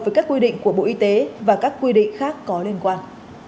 với các quy định của bộ y tế và các quy định khác có liên quan